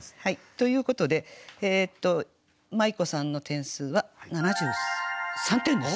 ということでまい子さんの点数は７３点です。